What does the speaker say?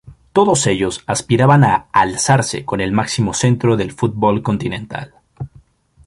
Todos ellos aspiraban a alzarse con el máximo cetro del fútbol continental.